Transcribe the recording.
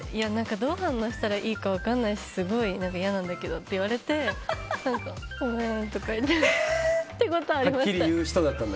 どう反応したらいいか分からないしすごい嫌なんだけどって言われてごめんってことはありました。